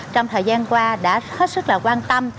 trong thời gian qua đã hết sức quan tâm